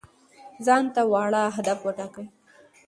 ځان ته واړه اهداف وټاکئ.